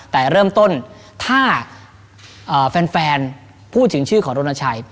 แต่เริ่มต้นถ้าแฟนพูดถึงชื่อของรณชัย